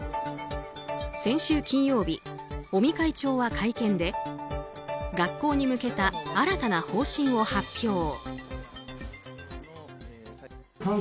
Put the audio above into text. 先週金曜日、尾身会長は会見で学校に向けた新たな方針を発表。